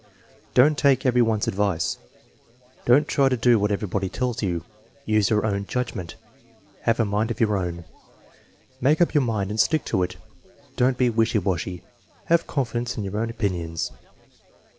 "Don't take every one's advice." "Don't try to do what everybody tells you." "Use your own judgment." "Have a mind of your own." "Make up your mind and stick to it." "Don't be wishy washy." "Have confidence in your own opinions."